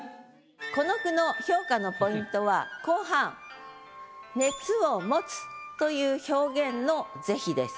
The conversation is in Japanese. この句の評価のポイントは後半「熱を持つ」という表現の是非です。